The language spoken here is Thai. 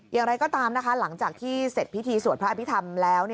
อย่างไรก็ตามนะคะหลังจากที่เสร็จพิธีสวดพระอภิษฐรรมแล้ว